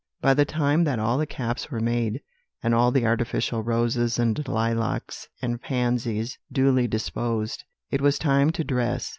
"By the time that all the caps were made, and all the artificial roses, and lilacs, and pansies duly disposed, it was time to dress.